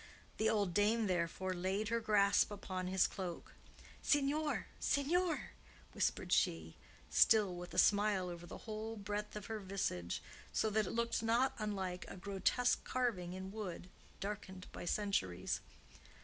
The old dame, therefore, laid her grasp upon his cloak. "Signor! signor!" whispered she, still with a smile over the whole breadth of her visage, so that it looked not unlike a grotesque carving in wood, darkened by centuries.